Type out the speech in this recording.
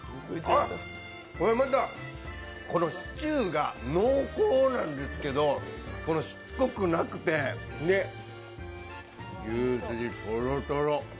ほんでまた、シチューが濃厚なんですけどしつこくなくて、牛すじ、とろとろ。